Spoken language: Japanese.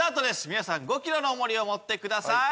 皆さん５キロの重りを持ってください。